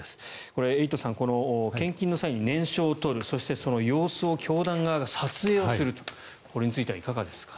これ、エイトさん献金の際に念書を取るそして、その様子を教団側が撮影をするこれについてはいかがですか。